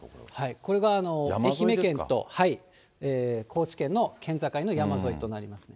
これが愛媛県と高知県の県境の山沿いとなりますね。